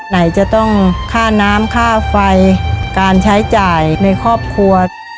ไหนจะต้องค่าน้ำค่าไฟการใช้จ่ายในครอบครัว